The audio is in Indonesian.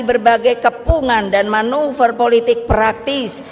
berbagai kepungan dan manuver politik praktis